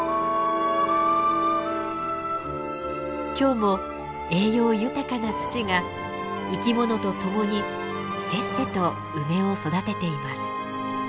今日も栄養豊かな土が生き物と共にせっせと梅を育てています。